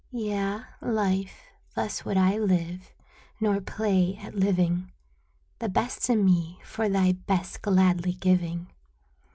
Yea, Life, thus would I live, nor play at living. The best of me for thy best gladly giving.